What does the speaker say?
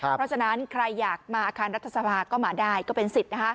เพราะฉะนั้นใครอยากมาอาคารรัฐสภาก็มาได้ก็เป็นสิทธิ์